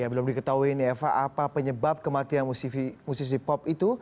belum diketahui apa penyebab kematian musisi pop itu